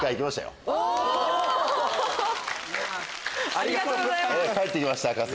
ありがとうございます。